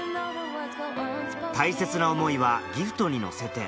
大切な思いはギフトに乗せて